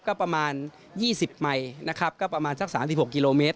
ก็ประมาณ๒๐ไมค์นะครับก็ประมาณสัก๓๖กิโลเมตร